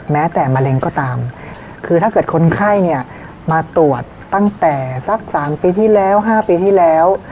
แม้แต่มะเร็งก็ตามคือถ้าเกิดคนไข้เนี่ยมาตรวจตั้งแต่สัก๓ปีที่แล้ว๕ปีที่แล้ว